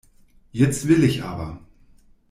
Jetzt will ich aber.